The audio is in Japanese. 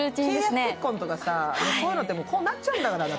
契約結婚とか、こういうのってこうなっちゃうんだから。